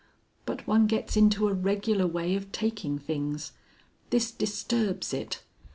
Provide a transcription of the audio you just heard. But one gets into a regular way of taking things. This disturbs it.